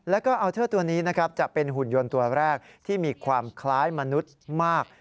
แล้วก็อัลเทอร์ตัวนี้นะครับจะเป็นหุ่นยนต์ตัวแรกที่มีความคล้ายมนุษย์มาก